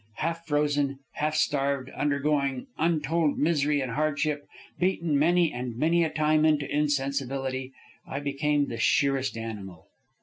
Half frozen, half starved, undergoing untold misery and hardship, beaten many and many a time into insensibility, I became the sheerest animal.